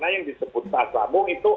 yang disebut atasamu itu